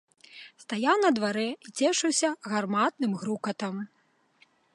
Стаяў на дварэ і цешыўся гарматным грукатам.